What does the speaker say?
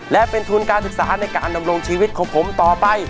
และเป็นทุนการศึกษาในการดำรงชีวิตของผมต่อไป